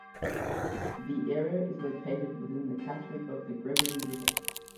The area is located within the catchment of the Gregory River.